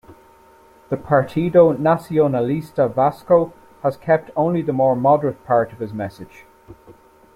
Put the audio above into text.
The Partido Nacionalista Vasco has kept only the more moderate part of his message.